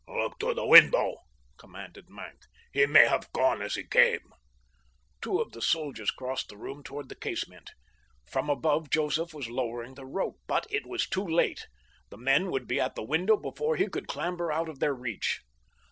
"Look to the window," commanded Maenck. "He may have gone as he came." Two of the soldiers crossed the room toward the casement. From above Joseph was lowering the rope; but it was too late. The men would be at the window before he could clamber out of their reach.